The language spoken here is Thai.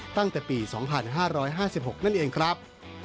ตั้งแต่ปี๒๕๕๖นั่นเองครับ